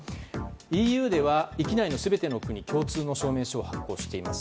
ＥＵでは域内の全ての国共通の証明書を発行しています。